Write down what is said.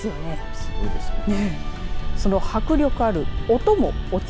すごいですね。